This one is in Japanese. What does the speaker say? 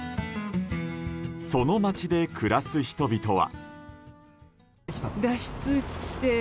その町で暮らす人々は。